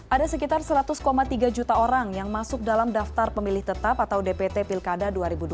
ada sekitar seratus tiga juta orang yang masuk dalam daftar pemilih tetap atau dpt pilkada dua ribu dua puluh